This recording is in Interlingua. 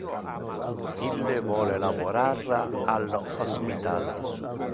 Ille vole laborar al hospital.